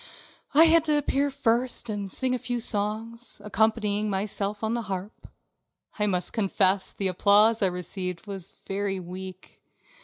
I had to appear first and sing a few songs, accompanying myself on the harp. I must confess the applause that I received was very weak.